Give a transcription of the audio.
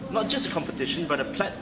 tapi juga kompetisi yang sangat penting